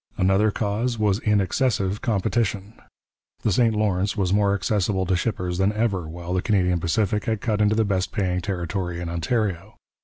Another cause was in excessive competition. The St Lawrence was more accessible to shippers than ever, while the Canadian Pacific had cut into the best paying territory in Ontario.